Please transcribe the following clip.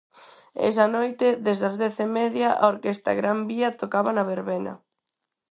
Esa noite, desde as dez e media, a orquestra Gran Vía tocaba na verbena.